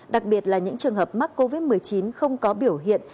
đặc biệt là những trường hợp mắc covid một mươi chín không có biểu hiện